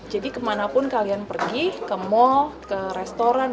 jadi kemanapun kalian pergi ke mall ke restoran